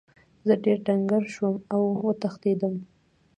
زه ډیر ډنګر شوم او وتښتیدم.